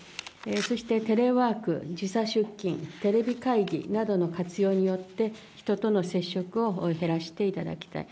そしてテレワーク、時差出勤、テレビ会議などの活用によって、人との接触を減らしていただきたい。